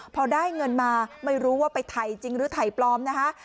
พอได้เงินมาไม่รู้ว่าไปถ่ายจริงหรือถ่ายปลอมนะคะ